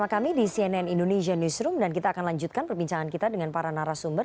bersama kami di cnn indonesia newsroom dan kita akan lanjutkan perbincangan kita dengan para narasumber